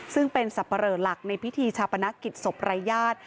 ซึ่งเป็นสับปะเหลอหลักในพิธีชาปนกิจศพรายญาติ